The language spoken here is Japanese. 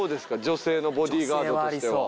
女性のボディーガードとしては。